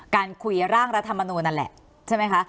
การคุยร่างรัฐมนูลนั่นแหละใช่ไหมคะ